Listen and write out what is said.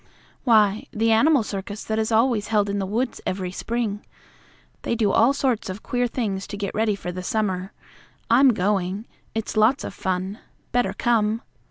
"Why, the animal circus that is always held in the woods every spring. They do all sorts of queer things to get ready for the summer. I'm going. It's lots of fun. Better come."